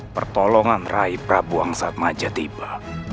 pertolongan rai prabu angsat maja tiba